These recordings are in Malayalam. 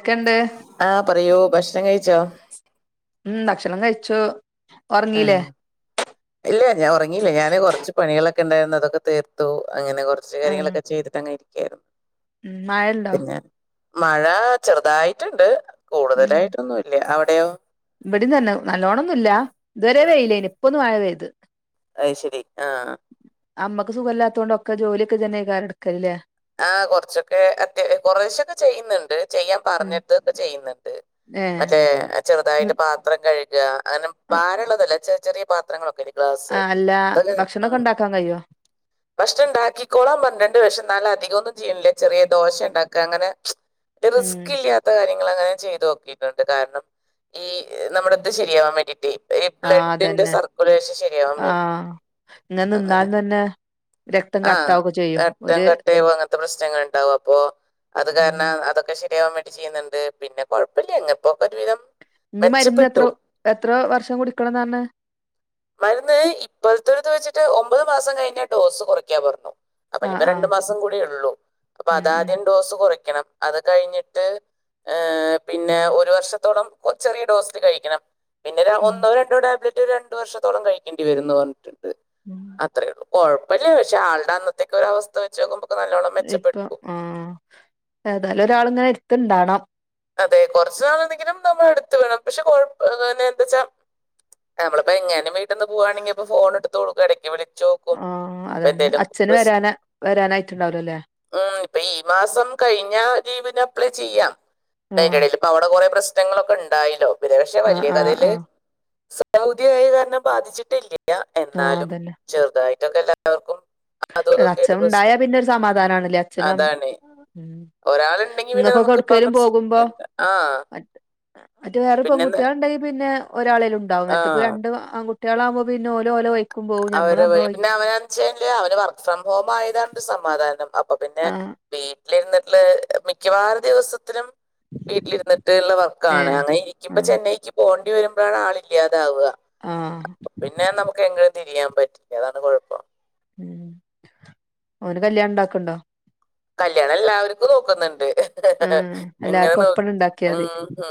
ക്കെണ്ട്? ആഹ് പറയൂ ഭക്ഷണം കഴിച്ചോ? മം ഭക്ഷണം കഴിച്ചു ഉറങ്ങീല്ലേ ആഹ്. ഇല്ല ഞാൻ ഒറങ്ങില്ല ഞാന് കുറച്ച് പണികളൊക്കെണ്ടായിരുന്നു അതൊക്കെ തീർ ത്തു. അങ്ങനെ കൊറച്ച് കാര്യങ്ങളൊക്കെ ചെയ്തിട്ടങ്ങനെ ഇരിക്കാരുന്നു. മം മഴണ്ടോ? മഴ ചെറുതായിട്ടുണ്ട് കൂടുതലായിട്ടൊന്നുംല്ല അവിടെയോ? ഇവിടിം തന്നെ നല്ലോണൊന്നുല്ല ഇതുവരെ വെയിലെനി ഇപ്പൊന്ന് മഴ പെയ്ത്. അയ്ശരി ആഹ, അമ്മക്ക് സുഖല്ലാത്തോണ്ട് ഒക്കെ ജോലിക്കെ ഇജെന്നേക്കാരം എടുക്കല്ലെ? ആ കൊറച്ചൊക്കെ അത്യാ കുറെശൊക്കെ ചെയ്യുന്നുണ്ട്. ചെയ്യാൻ ഉം പറഞ്ഞട്ടൊക്കെ ചെയ്യുന്നുണ്ട് ഏഹ് മറ്റേ ന്ന് ചെറുതായിട്ട് പാത്രം കഴുക അങ്ങനെ പരംഉള്ളതല്ല ചെർ ചെറിയ പാത്രങ്ങളൊക്കെ ആഹ് [unintelligible] അല്ല അതൊക്കെ ഭക്ഷണൊക്കെ ആഹ് ഉണ്ടാക്കാൻ കഴിയോ ഭക്ഷണം ഉണ്ടാക്കിക്കോളാം പറഞ്ഞിട്ടുണ്ട് പക്ഷെ എന്നാലും അധികം ഒന്നും ചെയ്യണില്ല ചെറിയ ദോശ ഉണ്ടാക്കുക അങ്ങനെ, ഉം റിസ്ക് ഇല്ലാത്ത കാര്യം ഇങ്ങള് അങ്ങനെ ചെയ്ത് നോക്കിയിട്ടുണ്ട് കാരണം ഈ നമ്മുടെ ഇത് ശരിയാവാൻ വേണ്ടിട്ടേ ഈ ആഹ് ബ്ലഡിന്റെ അതന്നെ സർക്കുലേഷൻ ശരിയാവാൻ വേണ്ടിട്ട് ആഹ് ഇങ്ങനെ അങ്ങനെ നിന്നാലും തന്നെ രക്തം ആഹ് കട്ടാവൊക്കെ ചെയ്യും [unintelligible] ട്ടെ ഒരു അങ്ങനത്തെ പ്രശ്നങ്ങൾ ഉണ്ടാവും അപ്പോ അത് ഉം കാരണം അതൊക്കെ ശരിയാവാൻ വെ ചെയ്യുന്നുണ്ട് പിന്നെ കുഴപ്പല്ല്യ എങ്ങപ്പോക്കെ ഒരുവിധം ഇഞ്ഞ് മരുന്ന് എത്ര മെച്ചപ്പെട്ടു എത്ര വർഷം കുടിക്കണംന്നാർഞ്ഞ്? മരുന്ന് ഇപ്പോഴത്തൊരുദ് വെച്ചിട്ട് ഒമ്പത് മാസം കഴിഞ്ഞ ഡോസ് കുറയ്ക്കാ പറഞ്ഞു. ആഹ് അപ്പൊനിപ്പോ രണ്ടു ആഹ് മാസം കൂടി ഉള്ളൂ അപ്പൊ ഉം ഉം അതാദ്യം ഡോസ് കുറക്കണം അത് കഴിഞ്ഞിട്ട്, ഏ പിന്നെ ഒരു വർഷത്തോളം ഒ ചെറിയ ഡോസിൽ കഴിക്കണം. പിന്നെ ഉം ഒന്നോ രണ്ടോ ടാബ്ലറ്റ് രണ്ട് വർഷത്തോളം കഴിക്കേണ്ടി വരന്ന് പറഞ്ഞിട്ടുണ്ട്. [inaudible] അത്രേള്ളൂ കുഴപ്പല്ല പക്ഷെ ആളുടെ അന്നത്തേക്ക ഒരവസ്ഥ വെച്ച് നോക്കുമ്പോൾ ഇപ്പൊ ആഹ ഏതായാലും ഒരാളിങ്ങനെ എടുത്ണ്ടണം. അതെ കുറച്ചു നാൾ എന്തെങ്കിലും നമ്മൾ എടുത്ത വേണം പക്ഷെ കൊഴ പിന്നെ എന്താ വച്ചാ നമ്മളിപ്പോ എങ്ങനും വീട്ടന്ന് പോവാണെങ്കിപ്പോ ഫോൺ എടുത്തോടുക്ക ഇടയ്ക്ക് വിളിച്ചോ ആഹ് അതന്നെ അച്ഛന് വരാന വരാനായിട്ടുണ്ടാവലോ ല്ലെ? ഉം ഇപ്പൊ ഈ മാസം കഴിഞ്ഞ ലീവിന് അപ്ലൈ ചെയ്യാം. പ്പയ്ന്റെ ആഹ് ഇടൽ ഇപ്പ അവിടെ കൊറെ പ്രശ്നങ്ങളൊക്കെ ഉണ്ടായില്ലോ, പിന്നെ പക്ഷെ ആഹ് വലിയ ആഹ് കഥയില് ആഹ് ഭൗതികമായി കാരണം ബാധിച്ചിട്ടില്ല ആഹ് എന്നാലും അതന്നെ ചെറുതായിട്ടൊക്കെ എല്ലാവർക്കും. അതും ദ ഇതൊക്കെ അച്ഛൻ ആയിട്ട് ഉണ്ടായാ പ്രശ്നം പിന്നെ ഒരു സമാധാനാണല്ലേ അച്ഛനും അമ് അതാണ് ഉം ഒരാളുണ്ടെങ്കിൽ പിന്നെ ങ്ങക്കൊക്കെ നമുക്ക് ഇപ്പൊ ഓട്ക്കേലും അങ്ങോട്ട് പോകുമ് പ്പൊ ശ്രദ്ധിക്കണ്ട ആ മ മറ്റ വേറെ പിന്നെന്താ പെങ്കുട്ട്യാൾണ്ടെങ്കി പിന്നെ ഒരാളെലുംന് ആ ണ്ടാവുംത്പ്പം രണ്ട് ആ ആൺകുട്ടികളാകുമ്പോ പിന്നെ ഓൽ ഓലെവയ്ക് അവര് പോയ് പിന്നെ അവരൻചേൽ അവന് വർക്ക് ഫ്രം ഹോം ആയതാൻരു സമാധാനം അപ്പൊ പിന്നെ ആഹ് വീട്ടിലിരുന്നിട്ടുള്ള ഹ് മിക്കവാറും ദിവസത്തിനും വീട്ടിലിരിന്നിടട്ട്ള്ള വർക്കാണ് ഏഹ് അങ്ങനെ ഇരിക്കുമ്പ ആഹ് ചെന്നൈക്ക് പോണ്ടി വരുമ്പആണ് ആള് ഇല്ലാതാവ. ആഹ് അപ്പൊപിന്നെ നമുക്ക് എങ്ങും തിരിയാൻ പറ്റില്ല അതാണ് കുഴപ്പം. ഉം ഓന് കല്യാണണ്ടാക്ക്ണ്ടോ? കല്യാണം എല്ലാവർക്കും നോക്കുന്നുണ്ട് ഹ് ഹ ഹേ ആഹ് എങ്ങനെ എല്ലാർക്കും നോ ഒപ്പണ്ട് ഉണ്ടാക്കിയാ മതി ഹും ഹ്.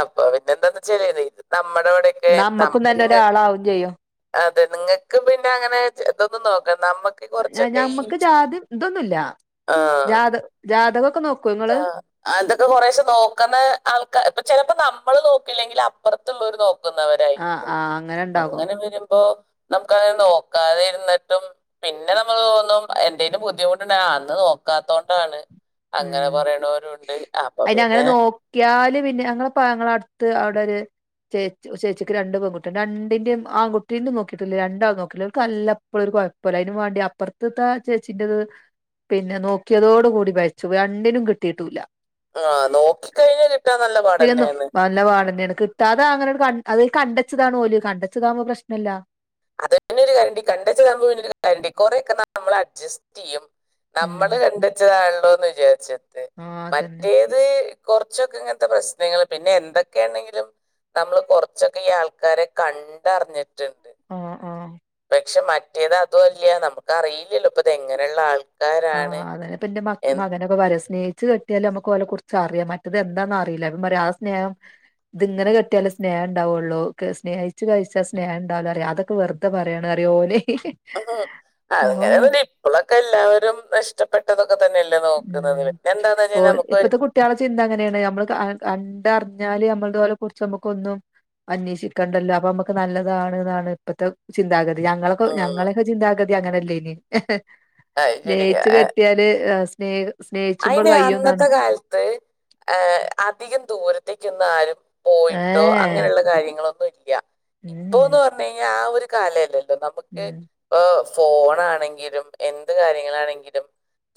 അപ്പൊ പിന്നെ എന്താ വച്ച ഇത് നമ്മുടെ ഇവിടെ നമ്മക്കും തന്നെ ഒരാളാവും ചെയ്യും. അതെ നിങ്ങൾക്ക് പിന്നെ അങ്ങനെ ഇതൊന്നും നോക്കാം നമ്മക്ക് കുറച്ചൊക്കെ ഈ എന്തൊന്നുല്ല ജാത ജാതകൊക്കെ നോക്ക ആഹ അതൊക്കെ കുറേശ നോക്കുന്ന ആൾക്കാ ചെലപ്പോ നമ്മള് നോക്കില്ലെങ്കിൽ അപ്പുറത്തുള്ളോര് നോക്കും. ആഹ് ക്കുന്നവരായിരിക്കും ആഹ് ഇണ്ടാകും അങ്ങനെ വരുമ്പോ നമുക്കത് നോക്കാതെ ഇരുന്നിട്ടും പിന്നെ നമ്മൾ തോന്നും എന്തേലും ബുദ്ധിമുട്ട്ണ്ട അന്ന് നോക്കാതോണ്ടാണ്. ഉം അപ്പൊ അയിന് അങ്ങനെ പിന്നെ നോ കിയാല് പിന്നെ ഞങ്ങളെപ്പ ങ്ങളട്ത്ത് അവിടൊര് ചേച്ചി ചേച്ചിക്ക് രണ്ട് പെൺകുട്ടിണ്ട് രണ്ടിന്റേം ആൺകുട്ടീന്റേം നോക്കിട്ടില്ല രണ്ടാളേം നോക്കിട്ടില്ല [unintelligible] ഇപ്പോ ഒരു കൊഴപ്പില്ല അയിനും വേണ്ടി അപ്പുറത്തത്ത ചേച്ചിന്റെത് പിന്നെ നോക്കിയതോട് കൂടി പയ [unintelligible] രണ്ടിനും കിട്ടിട്ടൂല്ല ആഹ് നോക്കിക്കഴിഞ്ഞാ കിട്ടാൻ നല്ല പിന്നെ നോ പാടന്നെയാണ്. നല്ല പാടന്നെണ്. കിട്ടാത അങ്ങനെട് അത് കണ്ടച്ചതാണ് ഓല് കണ്ടച്ചതാകുമ്പോ പ്രശ്നല്ല അതന്നൊരു [inaudible] കണ്ടെച്ചതാകുമ്പം പിന്നൊരു [inaudible] കുറെക്കെ നമ്മള് അഡ്ജസ്റ്റ് ചെയ്യും ഉം നമ്മള് കണ്ടെച്ചതാണല്ലോന്ന് വിചാരിച്ചിട്ട്, ആഹ് അതന്നെ മറ്റേത് ത് കൊറച്ചൊക്കെ ഇങ്ങനത്തെ പ്രശ്നങ്ങള്, പിന്നെ എന്തൊക്കെയാണെങ്കിലും നമ്മള് കൊറച്ചൊക്കെ ഈ ആൾക്കാരെ കണ്ടറിഞ്ഞിട്ടുണ്ട് ഹും ഹും പക്ഷെ മറ്റേത് അതുവല്യ നമുക്ക് അറിയില്ലല്ലോ ഇപ്പ ഇതെങ്ങനെള്ള ആൾ ക്കാരാണ് എന് [unintelligible] വരെ സ്നേഹച്ച് കെട്ടിയാലും നമുക്ക് ഓലെ കുറച്ച് അറിയാം, മറ്റത് എന്താന്ന് അറിയില്ല [unintelligible] പറയാ ആ സ്നേഹം ഇത്ങ്ങനെ കെട്ടിയാലെ സ്നേഹം ഉണ്ടാവുള്ളൂ, സ്നേഹിച്ച് കഴിച്ചാൽ സ്നേഹം ഉണ്ടാവില്ല പറയും, അത് അത് വെറുതെ പറയണാറിയോ ഓല് ഹി ഹി ഹി ഉം അങ്ങനെ പിന്നെ ഇപ്പോളൊക്കെ എല്ലാവരും ഇഷ്ടപ്പെട്ടതൊക്കെ തന്നെല്ലെ ല്ലേ നോക്കുന്നത് രണ്ടാണേലും നമുക്ക് ഒരു റ്റെ ആളെ ചിന്ത അങ്ങനെണ് നമ്മള് ക ആഹ് കണ്ടറിഞ്ഞാല് നമ്മളതു പോലെ [unintelligible] നമുക്ക് ഒന്നും അന്വേഷിക്കണ്ടല്ലോ അപ്പൊ നമുക്ക് നല്ലതാണ് എന്നാണ് ഇപ്പത്തെ ചിന്താഗതി ഞങ്ങളക്ക ഉം ഞങ്ങളൊക്കെ ചിന്താഗതി അങ്ങനല്ലേനി അത് സ്നേഹിച്ച് ശരിയാ കെട്ടിയാല് ആഹ് സ്‌നേഹ അയിന് അന്നത്തെ കാലത്ത് ഏഹ് അധികം ദൂരത്തേക്കൊന്നും ആരും ഏഹ് പോയിട്ടോ അങ്ങനെയുള്ള കാര്യങ്ങളൊന്നും ഇല്യ, ഉം ഇപ്പോന്ന് പറഞ്ഞ് കഴിഞ്ഞാ ആ ഒരു കാലല്ലല്ലോ നമുക്ക് ഉം ഇപ്പൊ ഫോണാണെങ്കിലും എന്ത് കാര്യങ്ങളാണെങ്കിലും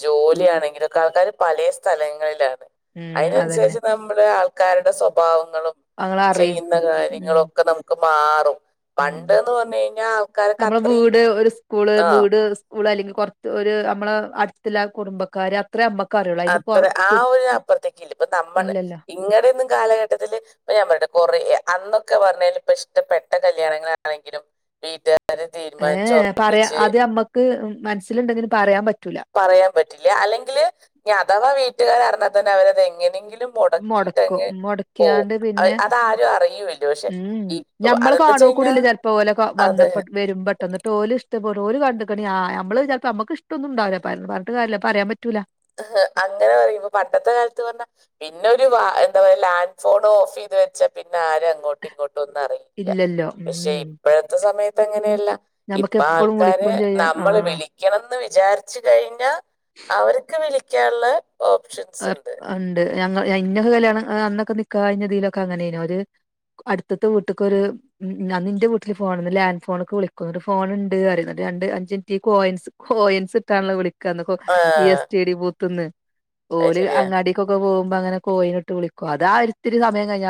ജോലിയാണെങ്കിലും ആൾക്കാര് പലേ സ്ഥലങ്ങളിലാണ്, ഉം അതന്നെ അയിനനുസരിച്ച് നമ്മുടെ ആൾക്കാരുടെ സ്വപ് സ്വഭാവങ്ങളും അങ്ങളറിയും ചെയ്യുന്ന ഉം കാര്യങ്ങളൊക്കെ നമുക്ക് മാറ്റും ഉം പണ്ട്ന്ന് പറഞ്ഞ് കഴിഞ്ഞാ ആൾക്കാരക്ക് നമ്മളെ അത്രീം വീട് ഒരു സ്കൂള്, വീട് സ്കൂള് അല്ലെങ്കി കൊറത്ത് ഒരു നമ്മള് അടുത്ത്ല്ല കുടുംബക്കാര് അത് ഇത്ര അമ്മക്കറിയുള്ള അത്ര ആ ഒരു അപ്പുറത്തേക്കില്ല ഇപ്പ നമ്മള് ഇല്ലല്ലോ ഇങ്ങടെന്നും കാലഘട്ടത്തില് ഇപ്പൊ ഞാൻ പറയട്ടെ കൊറെ അന്നൊക്കെ വന്നതില് ഇപ്പ ഇഷ്ടപ്പെട്ട കല്യാണങ്ങളാണെങ്കിലും വീട്ട്കാര് ഏഹ് പറയാ അത് ഞമ്മക്ക് മനസ്സിലുണ്ടെങ്കിലും പറയാൻ പറ്റൂല പറയാൻ പറ്റില്ല അല്ലെങ്കില് ഇനി അഥവാ വീട്ടുകാരറിഞ്ഞാ തന്നെ അവരത് എങ്ങനെങ്കിലും മൊടക്കും മൊടക്കിട്ടങ്ങ് പോകും, മൊടക്കിയാണ്ട് പിന്നെ അതാരും അറിയുല്ല പക്ഷെ ഉം ഈ ഞമ്മള് കാണുക കൂടില്ല ചെിലപ്പോ ഓലെ അതെ വന്നപ്പ വരുമ്പ ട്ടന്നിട്ട് ഓല് ഇഷ്ടപെടുവോ ഓല് കണ്ടിക്കണി ആ നമ്മള് ചിലപ്പോ നമ്ക്ക് ഇഷ്ടൊന്നും ഉണ്ടാവില്ല പറഞ്ഞി പറഞ്ഞിട്ട് കാര്യല്ല പറയാൻ പറ്റൂല അങ്ങനെ പറയുമ്പോ പണ്ടത്തെ കാലത്ത് പറഞ്ഞാ പിന്നെ ഒരു വ എന്താ പറയാ ലാൻഡ് ഫോൺ ഓഫ് ചെയ്ത് വച്ചാ പിന്നെ ആരും അങ്ങോട്ടും ഇങ്ങോട്ടും ഒന്നും അറി ല്ല, ഇല്ലല്ലോ പക്ഷെ ഉം ഇപ്പോഴത്തെ സമയത്ത് അങ്ങനെയല്ല ഞമ്മക്ക് ഇപ്പ എപ്പളും ആൾക്കാര് വിളിക്കും ചെയ്യാ നമ്മള് ആ വിളി ക്കണന്ന് വിചാരിച്ചു കഴിഞ്ഞാ അവര്ക്ക് വിളിക്കാനുള്ള അർ ഉണ്ട് ഞങ്ങള് ഇന്നൊക്കെ കല്യാണം അന്നൊക്കെ നിക്കാഹ് കഴിഞ്ഞതിലൊക്കെ അങ്ങനെന് ഓര് അടുത്തത്തെ വീട്ട്ക്കൊരു ഉം ന്നാ നിന്റെ വീട്ടില് ഫോണന്ന് ലാൻഡ് ഫോണ്ക്ക് വിളിക്കും എന്നിട്ട് ഫോണുണ്ട് പറയും എന്നിട്ട് രണ്ട് അഞ്ചിന്റെ കോയിൻസ് കൊയിൻസിട്ടാണല്ലോ വിളിക്കാ അന്ന്ക്ക ആ ഈ എസ് റ്റി ഡി ബൂത്ത്ന്ന് അത് ഓര് ശരിയാ അങ്ങാടിക്കൊക്കെ പോകുമ്പോ അങ്ങനെ കോയിനി ഇട്ട് വിളിക്കും അത് ആ ഒരിത്തിരി സമയം കഴിഞ്ഞ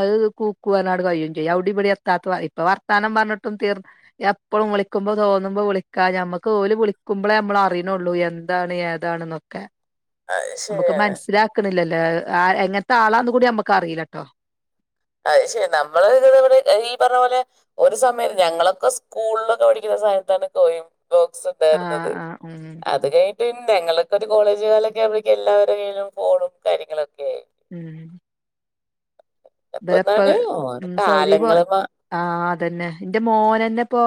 അത് കൂക്കുവാനോട് കഴിയും ചെയ്യും അവിടെ ഇവിടെ എത്താത്ത ഇപ്പ വർ ത്താനം പറഞ്ഞിട്ടും തീർ എപ്പഴും വിളിക്കുമ്പോ തോന്നുമ്പോ വിളിക്കാ ഞമ്മുക്ക് ഓല് വിളുമ്പോളേ നമ്മള് അറിയണുള്ളൂ എന്താണ് ഏതാ ഏതാണെന്നൊക്കെ അത് നമുക്ക് ശരിയാണ് മനസ്സിലാക്കണില്ലല്ലേ എങ്ങനത്തെ ആളാന്ന് കൂടി നമ്മുക്ക് അറിയില്ലെട്ടോ അ ശെ നമ്മള് ഇ ഇവിടെ ഈ പറഞ്ഞ പോലെ ഒരു സമയം ഞങ്ങളൊക്കെ സ്കൂളിലൊക്കെ പഠിക്കുന്ന സമയത്ത തന്നെ ബോക്സ്‌ ആഹ് ഉണ്ടായിരുന്നത് ആഹ് ഉം അത് കഴിഞ്ഞ പിന്നെ ങ്ങൊക്കെ ഒരു കോളേജ് കാലൊക്കെ ആകുമ്പോഴേക്കും എല്ലാവരുടെ കയ്യിലും ഫോണും കാര്യങ്ങളും ഒക്കെ ആയി ഉം അപ്പൊ ഇവര്ഉപ്പ എന്താണ് ഓരോ സൗദി പോ കാലങ്ങള് മാ- ആ അതന്നെ എന്റെ മോനെന്നെപ്പോ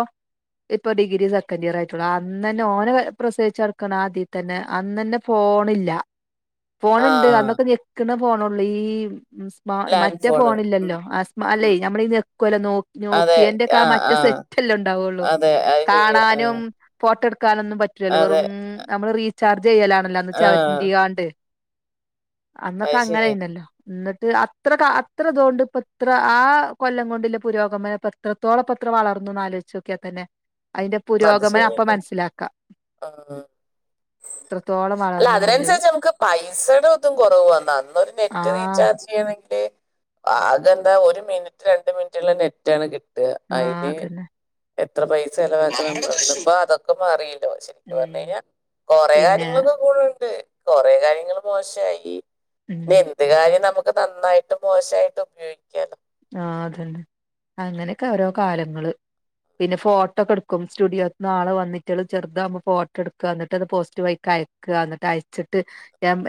ഇപ്പൊ ഡിഗ്രി സെക്കൻഡറ് ഇയർ ആയിട്ടുള്ളൂ അന്ന തന്നെ ഓനെ പ്രസവിച്ച്കിടക്കുന്ന ആദ്യ തന്നെ അന്നന്നെ ഫോണില്ല ഫോണ ആ ഉണ്ട് അന്നൊക്കെ ഞെക്കുന്ന ഫോണള്ളൂ ഈ സ് ലാൻഡ് മറ്റേ ഫോണ് ഉം, ഫോണില്ലല്ലോ ആസ്മ അല്ലേ ഉം. നമ്മളീ നിൽക്കുവല്ലോ നോ നോക്കിയന്റെ ഒക്കെ ആ മറ്റേ സെറ്റല്ലേ ഉണ്ടാവുള്ളൂ അതെ അത് ശരിയാ ആ, കാണാനും കാണാനും ഫോട്ടോ എടുക്കാനൊന്നും പറ്റില്ലല്ലോ അതെ വെറും നമ്മള് റീചാർജ് ചെയ്യലാണല്ലോ അന്ന് ആ ച ചെയ്യാണ്ട് അത് അന്നൊക്കെ അങ്ങനെ ശരിയാ ആയിരുന്നല്ലോ എന്നിട്ട് അത്ര കാ എത്രതൊണ്ട് ഇപ ആ കൊല്ലം കൊണ്ടില പുരോഗമനം എത്രത്തോളം പത്ര വളർന്നുന്ന് ആലോചിച്ച് നോക്കിയാൽ തന്നെ അതിന്റെ അത് പുരോഗമനം അപ്പൊ ശരിയാണ് മനസ്സിലാക്കാം ആ ഇത്രത്തോളം അല്ല വളർന്നുന്നുള്ളത് അതിനനുസരിച്ച് നമുക്ക് പൈസയുടെ കുറവ് വന്ന അന്നരു നെറ്റ് ആഹ് റീചാർജ് ചെയ്യണെങ്കിൽ അതെന്താ ഒരു മിനിറ്റ് രണ്ട് മിനിറ്റുള്ള നെറ്റാണ് കിട്ടുക ആ ആ, അതിന് അതന്നെ എത്ര പൈസ ചിലവാക്കണ്ട് ഇപ്പ അതൊക്കെ മാറിയില്ലോ എന്ന് പറഞ്ഞ് ഉം കഴിഞ്ഞാൽ കൊറെ പിന്നെ കാര്യങ്ങളൊക്ക കൂടൊണ്ട് കൊറെ കാര്യങ്ങളൊക്കെ മോശായി ഉം എന്ത് കാര്യം നമുക്ക് നന്നായിട്ടും മോശമായിട്ടും ഉപയോഗിക്കാലോ ആ അതന്നെ അങ്ങനെയൊക്കെ ഓരോ കാലങ്ങള് പിന്നെ ഫോട്ടോക്കെ എടുക്കും സ്റ്റുഡിയോ നിന്ന് ആള് വന്നിട്ട് ചെറുതാവുമ്പോ ഫോട്ടോ എടുക്ക എന്നിട്ട് അത് പോസ്റ്റ്‌ വഴി അയക്ക എന്നിട്ട് അയച്ചിട്ട്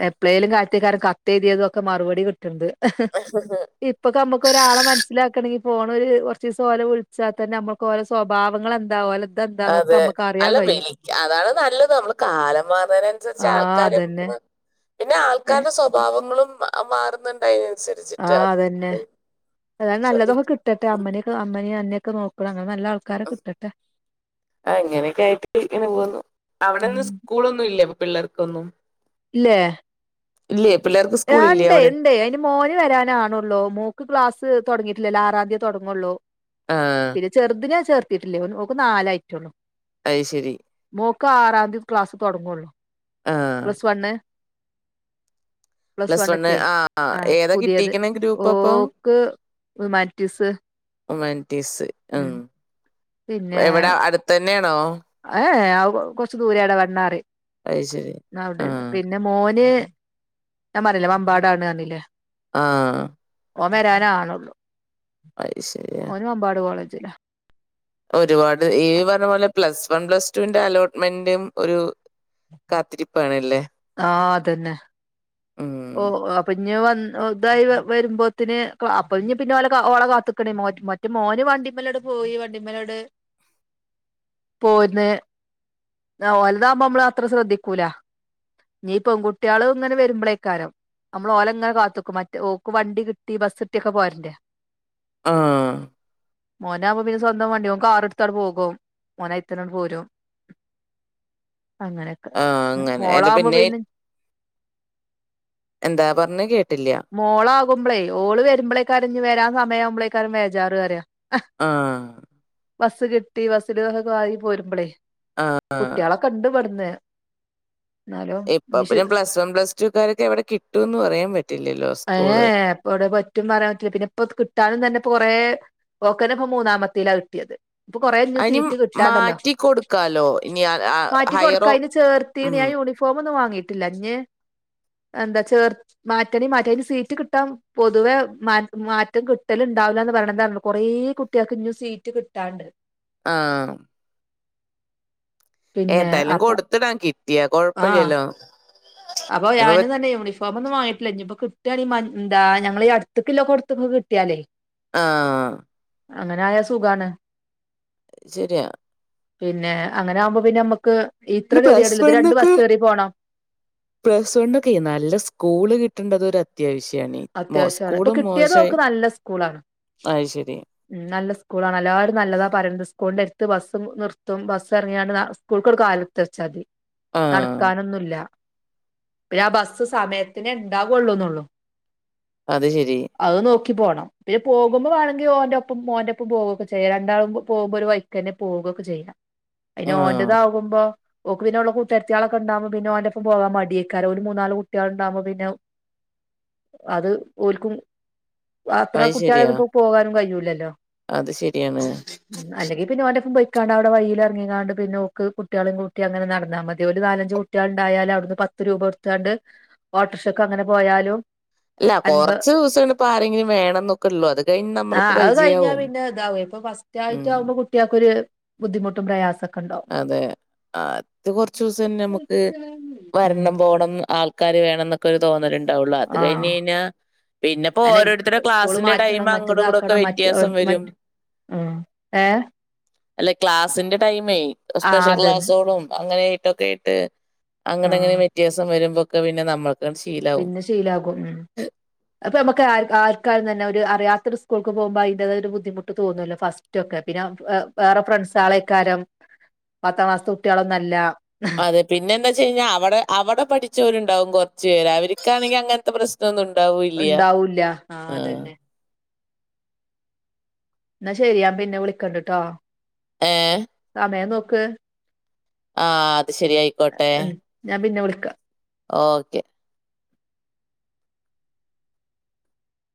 എപ്പളേലും കത്തിരിക്ക കത്തെഴുതിയതുമൊക്കെ മറുപടി കിട്ടണ്ട് ആഹ് ആഹ് ഇപ്പൊ ന ഒരാളെ മനസ്സിലാക്കണെങ്ക ഫോണ ഒരു കുറച്ച് ദിവസം ഓലെ വിളിച്ചാൽ തന്നെ നമ്മുക്ക് ഓല സ്വഭാവങ്ങൾ ന്താവുമ അതെ അല്ല വിളിക്ക അതാണ് നല്ലത് നമ്മള് കാലം മാറതിന അനുസരിച്ച് ആഹ് ആൾക്കാര അതന്നെ പിന്നെ ആൾക്കാരുടെ സ്വഭാവങ്ങളും മാറുന്നുണ്ടായതിനനുസരി ആഹ് അതന്നെ അതായത് നല്ലതൊക്കെ ശ്രദ്ധിക്കണം. കിട്ടട്ടെ അമ്മനൊക്കെ അമ്മന അന്നെയൊക്കെ നോക്കണം അങ്ങനെ നല്ല ആൾക്ക ആ എങ്ങനെയൊക്കെ ആയിട്ട് ഇങ്ങനെ പോണു അവിടെന്ന് ഉം സ്കൂളൊന്നും ഇല്ല പിള്ളേർക്കൊന്നും ല്ലെ ഇല്ലേ പിള്ളേർക്ക് ആ സ്കൂളില്ലേ അവിടെ? ഉണ്ടണ്ട് ഉണ്ട് മോന് വരാനാണള്ളൂ മോക്ക് ക്ലാസ് തുടങ്ങിട്ടില്ലല്ലോ ആറാം തയതി തുടങ്ങുള്ളൂ ആഹ് പിന്നെ ചെറുതിനെ ചേർത്തിട്ടില്ലേ ഓക്ക് നാലായിട്ടേള്ളു അയ് ശരി മോക്ക് ആറാം തീയതി ക്ലാസ് തുടങ്ങുള്ളൂ ആഹ് plus one plus one one ഒക്കെ ആഹ് ആഹ ഏതാ പുതിയത് കിട്ടിക്കണ ഗ്രൂപ്പ് അപ്പൊ? ഓക്ക് ഹുമാനിറ്റീസ് ഹുമാനിടീസ് ഉം എവിടെ അടുത്ത തന്നെയാണോ ഏഹ കൊറച്ച ദൂര അവിടെ വണ്ണാറ് അത് ശരി. അവിടെയാണ് ആഹ് പിന്നെ മോന് ഞാൻ പറഞ്ഞിലേ വമ്പാടാണ് പറഞ്ഞ്ല്ലേ ആഹ് ഓ വരാനാണെള്ളു അത് ശരി. ഓന് വമ്പാട് കോളേജ്ലാ ഒരുപാട് ഈ പറഞ്ഞ പോലെ പ്ലസ് വൺ പ്ലസ് ടുവിന്റെ അലോട്ട്മെന്റും ഒരു കാത്തിരിപ്പാണല്ലേ ആ അതന്നെ ഓ ഉം. ആ അപ്പൊ ഇഞ്ഞ് വന്ന് ഇതായി വരുമ്പോത്തിന് അപ്പൊ ഇഞ്ഞ് പിന്നെ ഓലെ ഓളെ കാത്ത്ക്കണേ മോ ന്റെ മോന് വണ്ടി മലാണ്ട്പോയി വണ്ടിമലാണ്ട് പോര് നേ താ ഓൽതാകുമ്പോ നമ്മള് അത്ര ശ്രദ്ധിക്കൂല ഞ്ഞ് പെൺകുട്ടിയാള് ഇങ്ങനെ വരുമ്പളേക്കാരം നമ്മള് ഓലങ്ങനെ കാത്ത്ക്കും മറ്റേ ഓക്ക് വണ്ടി കിട്ടി ബസ് കിട്ടി ഒക്കെ പോരറ്റേ ആ മോനാവുമ്പോ പിന്നെ സ്വന്തം വണ്ടി ഓൻ കാർ ഇട്ത്താട്ട് പോകും ഓന് അയി തന്നെ ങ്ങട്ട് പോരും അങ്ങനെക്കെ ആ അങ്ങനെ. അല്ല മോളാവുമ്പോ പിന്നെ എന്താ പറഞ്ഞേ കേട്ടില്ല മോളാകുമ്പളേ ഓള് വരുമ്പോളേക്കാ രം ഇഞ്ഞ് വരാൻ സമയാവുമ്പളേക്കാരം വേജാറ് റയാ ആഹ് ബസ് കിട്ടി ബസ്സില് കാരി പോരുമ്പളേ ആ. കുട്ടിയാളൊ ക്കെ ഇണ്ട് ഇമ്പട്ന്ന് ഇപ്പൊ പിന്നെ പ്ലസ് വൺ പ്ലസ് ടു കാര്ക്കെ എവിടെ കിട്ടും ന്ന് പറയാൻ പറ്റില്ലല്ലോ അ ഏ സ്കൂള്. പ്പം വിടെ പ റ്റും പറയാ പറ്റില്ല പിന്നെ ഇപ്പൊ കിട്ടാനും തന്നെ കുറെ ഓക്കന്നെ ഇപ്പം മൂന്നാമത്തേ ലാ കിട്ടിയേത് ഇപ്പൊ കൊറേ ഇഞ്ഞും അയിനി സീറ്റ് കിട്ടാണ്ടല്ലോ മാറ്റി കൊടുക്കാലോ. ഇനി അ അ മാറ്റി കൊടുക്കാ ഹയറോ അയ്ന് ചേർത്തീണ് ഉം. ഞാൻ യൂണി ഫോമൊന്നും വങ്ങിട്ടില്ല ഇഞ്ഞ് എന്താ ചേർ മാറ്റണേ മാ റ്റ അയ്ന് സീറ്റ് കിട്ടാൻ പൊതുവെ മാ മാറ്റം കിട്ടല് ണ്ടാവില്ല ന്ന് പറയ്ണ് എന്താന്നേ കൊറേ കുട്ടിയോൾക്ക് ഇഞ്ഞും സീറ്റ് റ്റ് കിട്ടാണ്ട് ആഹ് പിന്നെ ഏന്തായാലും അപ്പൊ കൊടുത്തിടാ കിട്ടിയാ ആഹ് കൊഴപ്പല്ലല്ലോ അപ്പൊ ഇപ്പൊ ഞാനും വെ- തന്നെ യൂണി ഫോ മൊന്നും വാങ്ങട്ടില്ല ഇഞ്ഞ് ഇപ്പം കിട്ടാണങ്കി മ എന്താ ഞങ്ങള ഈ അടുത്ത് ക്ക് ള്ളോട് ത്ത് ക്ക് കിട്ടിയാലേ ആഹ് അങ്ങനെ ആയാ സുഖാണ് അഹ് ശരിയാ പിന്നെ അങ്ങനെ ആകുമ്പോ പിന്നെ നമ്മക്ക് ഇത്ര പിന്നെ പ്ലസ് കതിയേട്ല്ല ഇത് രണ്ട് വണ്ണൊക്കെ ബസ്സ് കേറി പോണം പ്ലസ് വൺ ഒക്കെ നല്ല സ്കൂള് കി ട്ട്ണ്ടത് ഒരു അത്യാവിശ്യാണേ മോ അത്യാവശ്യമാണ് ഇപ്പൊ സ്കൂളും കിട്ടിയത് മോശമായി ഓക്ക് നല്ല സ്കൂളാണ് അഹ്ശരി ഉം നല്ല സ്കൂളാണ് എല്ലാരും നല്ലതാ പറയ്ണ്ട് സ്കൂളിന്റെ ട്ത്ത് ബസ്സും നിർത്തും ബസ് ഇറങ്ങിയാണ്ട് ന സ്കൂൾക്കട്കാല്ട്ത്ത് ച്ചാ തി ആഹ് നടക്കാനൊന്നുല്ല പിന്നെ ആ ബസ് സമയത്തിനേ ണ്ടാ കൊള്ളൂ ന്നൊള്ളു അത് ശരി അഹ് നോക്കി പോണം പിന്നെ പോകുമ്പോ വേണങ്കി ഓന്റെ പ്പം മോന്റ പ്പം പോവെക്കെ ചെയ്യാം രണ്ടാളും പോകുമ്പോ ഒര് വഴിക്കന്നെ പോവെക്കെ ചെയ്യ അയ്ന് ആഹ് ഓന്റതാ ആകുമ്പോ ഓക്ക് പിന്നെ ഓളെ കൂ ട്ടാരത്തിയോ ളെക്കെണ്ടാവുമ്പോ പിന്നെ ഓന്റെ പ്പം പോവാ മടിയേക്കാ രം ഓല് മൂന്നാല് കുട്ടിയോള് ണ്ടാവുമ്പോ പിന്നെ അത് ഓൽക്കും [unintelligible] ത്ര അത് ശരിയാ കുട്ടിയേളെന്നും ഇപ്പോ പോകാനും കയൂല്ലല്ലോ അത് ശരിയാണ്. ഉം അല്ലെങ്കി പിന്നെ ഓന്റെ പ്പം പോയിക്കാണ്ട് അവിടെ വയില് എറങ്ങിക്കാണ്ട് പിന്നെ ഓക്ക്കുട്ടിയോളിം കൂട്ടിഅങ്ങനെ നടന്നാ മതി ഓല് നാലഞ്ച് കു ട്ടിയാള്ണ്ടായാല് അവിടുന്ന് പത്ത് രൂപ കൊട്ത്താണ്ട് ഓട്ടറ്ക്ഷക്ക് അങ്ങനെ പോയാലും ഇല്ല അൻപ കൊറച്ച് സെള്ളു ഇപ്പം ആരെങ്കിലും വേണം ന്നൊക്കെ ഒള്ളൂ അത് കഴിഞ്ഞ് നമ്മൾക്ക് പരിചയാവും അതാവോ ഇപ്പം ഫസ് ഉം റ്റായിട്ട് ആകുമ്പോ കുട്ട്യോൾക്കൊര് ബുദ്ധിമുട്ടും പ്രയാസെ അതെ ആത് കൊറച്ച ദിവസം തന്നെ നമുക്ക് ഉം വരണം പോകണം ആ ക്കാര് വേണംന്നൊക്കെ തോന്നല് ഇണ്ടാവുള്ളൂ അത് ആഹ് കഴിഞ്ഞ്ഴിഞ്ഞൽ പിന്നെപ്പോ അല്ല ഓരോരുത്തരുടെ സ്കൂള് ക്ലാസ്സിന്റെ ടൈം മാറ്റണം അങ്ങോടും ഇങ്ങടും ഒക്കെ മറ്റേതാക്കണം മറ്റ് വ്യത്യാസം വരും മറ്റ് ഏഹ് അല്ല ക്ലാസ്സിന്റെ ടൈമേ ആ സ്പെഷ്യൽ അതന്നെ ക്ലാസ്സോളും അങ്ങനെയിട്ടൊക്കെ യിട്ട് അങ്ങനെങ്ങനെ ആഹ് വ്യത്യാസം വരുമ്പൊക്കെ പിന്നെ നമ്മൾക്ക് ശീലവും പിന്നെ ശീലാകും ഉം അപ്പൊ നമുക്ക് ആർക്കായാലും തന്നെ ഒരു അറിയാത്തൊരു സ്കൂൾക്ക് പോവുമ്പോ അയിന്റതായൊരു ബുദ്ധിമുട്ട് തോന്നല്ലോ ഫസ് റ്റൊക്കെ പിന്നെ വെ വേറെ ഫ്രണ്ട്സാളേക്കാരം പത്താം ക്ലാസ്ത്തെ കുട്ടികളൊന്നല്ല അതെ പിന്നെ എന്താ ച്ചഴിഞ്ഞാൽവിടെ അവിടെ പഠിച്ചവരുണ്ടാവും കുറച്ചു പേര് അവർക്കാണെങ്കിൽ അങ്ങെൻത്തെ പ്രശ്നം ണന്നു ഉണ്ടാവുല്ല്യ ഉണ്ടാവൂല്ല ആഹ് അതന്നെ എന്ന ശരി ഞാൻ പിന്നെ വിളിക്കണ്ട്ട്ടോ ഏഹ് സമയം നോക്ക് ആഹ് അത് ശരിയയി ഉം ഞാൻ പിന്നെ വിളിക്ക ഓക്കെ